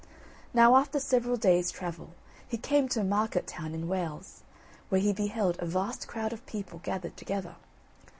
Now, after several days' travel, he came to a market town in Wales, where he beheld a vast crowd of people gathered together.